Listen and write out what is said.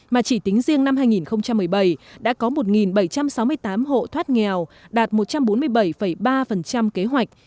mà chỉ tính riêng năm hai nghìn một mươi bảy đã có một bảy trăm sáu mươi tám hộ thoát nghèo đạt một trăm bốn mươi bảy ba kế hoạch